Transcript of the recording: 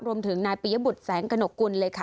รวมถึงนายปียบุตรแสงกระหนกกุลเลยค่ะ